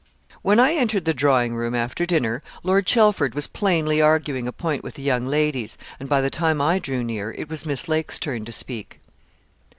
When I entered the drawing room after dinner, Lord Chelford was plainly arguing a point with the young ladies, and by the time I drew near, it was Miss Lake's turn to speak.